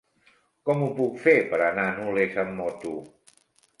Com ho puc fer per anar a Nules amb moto?